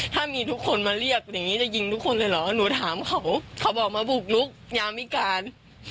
ถ้ามีทุกคนมาเรียกอย่างนี้จะยิงทุกคนเลยเหรอหนูถามเขาเขาบอกมาบุกลุกยามวิการ